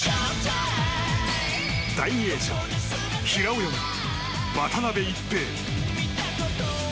第２泳者平泳ぎ、渡辺一平。